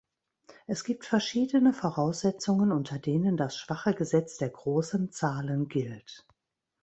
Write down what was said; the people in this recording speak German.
Es gibt verschiedene Voraussetzungen, unter denen das schwache Gesetz der großen Zahlen gilt.